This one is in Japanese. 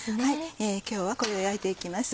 今日はこれを焼いていきます。